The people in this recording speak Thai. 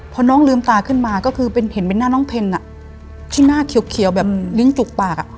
พอน้องลืมตาขึ้นมาก็คือเป็นเห็นเป็นหน้าน้องเพลนอ่ะที่หน้าเขียวเขียวแบบลิ้งจุกปากอ่ะ